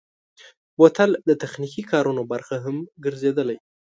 بوتل د تخنیکي کارونو برخه هم ګرځېدلی.